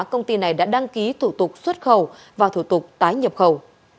công ty này đã đăng ký thủ tục xuất khẩu và thủ tục tái nhập khẩu